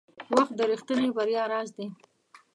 • وخت د رښتیني بریا راز دی.